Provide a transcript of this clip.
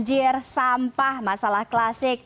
anjir sampah masalah klasik